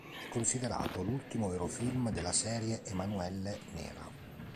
È considerato l'ultimo vero film della serie Emanuelle nera.